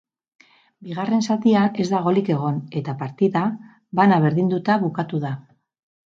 Bigarren zatian ez da golik egon eta partida bana berdinduta bukatu da.